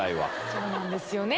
そうなんですよね。